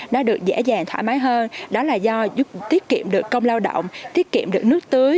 nó được dễ dàng thoải mái hơn đó là do tiết kiệm được công lao động tiết kiệm được nước tưới